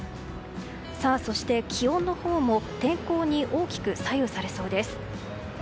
そして、気温のほうも天候に大きく左右されそうです。